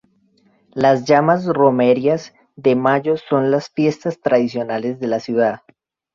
Las llamadas Romerías de Mayo son las fiestas tradicionales de la ciudad.